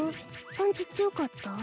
パンチ強かった？